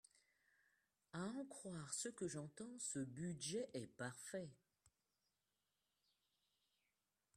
À en croire ce que j’entends, ce budget est parfait.